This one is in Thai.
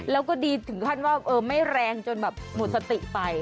แล้วก็ดีถึงว่าไม่แรงหมดสติไป